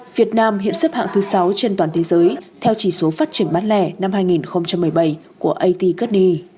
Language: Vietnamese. việt nam hiện xếp hạng thứ sáu trên toàn thế giới theo chỉ số phát triển bát lẻ năm hai nghìn một mươi bảy của atcad